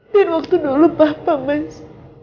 dan waktu dulu papa mas